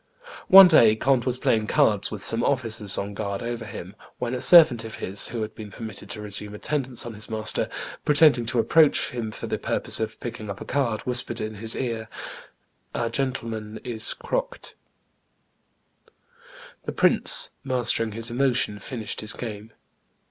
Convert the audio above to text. One day Conde was playing cards with some officers on guard over him, when a servant of his who had been permitted to resume attendance on his master, pretending to approach him for the purpose of picking up a card, whispered in his ear, "Our gentleman is croqued." The prince, mastering his emotion, finished his game.